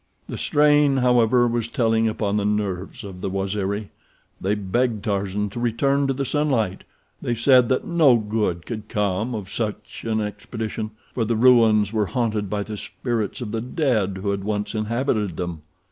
The strain, however, was telling upon the nerves of the Waziri. They begged Tarzan to return to the sunlight. They said that no good could come of such an expedition, for the ruins were haunted by the spirits of the dead who had once inhabited them.